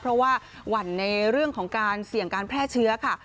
เพราะว่าหวั่นในเรื่องของการเสี่ยงการแพร่เชื้อค่ะ